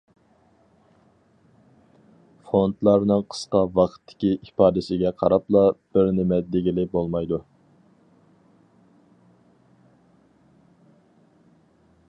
فوندلارنىڭ قىسقا ۋاقىتتىكى ئىپادىسىگە قاراپلا، بىر نېمە دېگىلى بولمايدۇ.